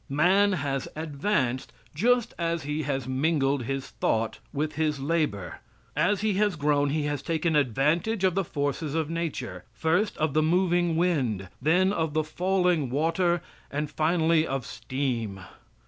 Man has advanced just as he has mingled his thought with his labor. As he has grown he has taken advantage of the forces of nature; first of the moving wind, then of the falling water and finally of steam.